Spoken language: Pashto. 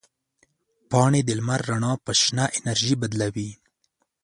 پاڼې د لمر رڼا په شنه انرژي بدلوي.